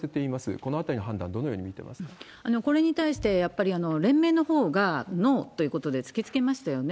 このあたりの判断、どのよこれに対しては、連盟のほうがノーということで突きつけましたよね。